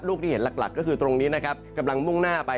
ที่เห็นหลักก็คือตรงนี้นะครับกำลังมุ่งหน้าไป